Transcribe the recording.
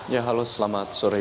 ya halo selamat sore